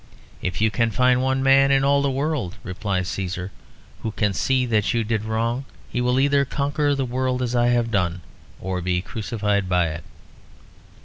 "If you can find one man in all the world," replies Cæsar, "who can see that you did wrong, he will either conquer the world as I have done or be crucified by it."